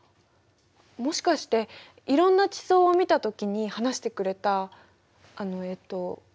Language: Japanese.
もしかしていろんな地層を見た時に話してくれたあのえっと。